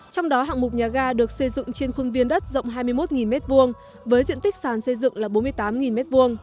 trong đó hạng mục nhà ga được xây dựng trên khuôn viên đất rộng hai mươi một m hai với diện tích sàn xây dựng là bốn mươi tám m hai